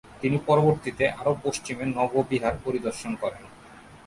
তিনি পরবর্তিতে আরো পশ্চিমে নব বিহার পরিদর্শন করেন।